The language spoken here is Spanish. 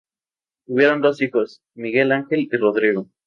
Tuvieron dos hijos, Miguel Ángel y Rodrigo.